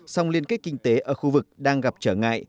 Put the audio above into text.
song liên kết kinh tế ở khu vực đang gặp trở ngại